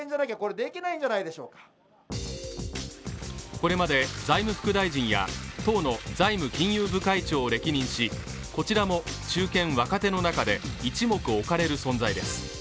これまで財務副大臣や党の財務金融部会長を歴任し、こちらも中堅、若手の中で一目置かれる存在です。